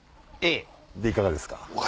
いかがですか？